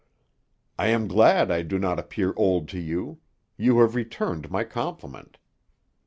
"I am glad I do not appear old to you. You have returned my compliment."